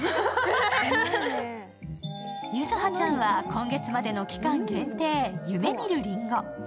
柚葉ちゃんは今月までの期間限定、夢見るりんご。